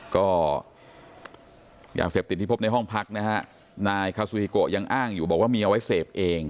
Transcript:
ก็ยาเสพติดที่พบในห้องพักนะฮะนายคาซูฮิโกยังอ้างอยู่บอกว่ามีเอาไว้เสพเอง